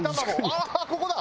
ああここだ！